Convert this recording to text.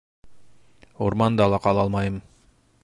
Урманда ла ҡала алмайым.